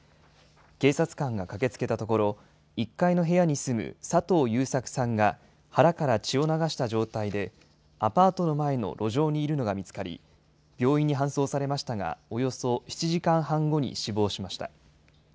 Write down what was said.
警察官が駆けつけたところ、１階の部屋に住む佐藤優作さんが、腹から血を流した状態でアパートの前の路上にいるのが見つかり、病院に搬送されましたが、およそ７時間半後に死亡しました。